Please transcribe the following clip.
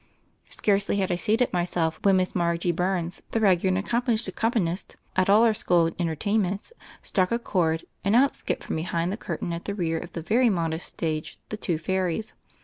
Scarcely had I seated myself when Miss Margie Burns, the regular and accomplished ac companist at all our school entertainments, struck a chord, and out skipped from behind the curtain at the rear of the very modest stage the two fairies.